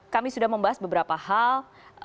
kami sudah membahas beberapa hal